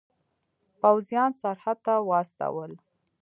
پوځیان سرحد ته واستول.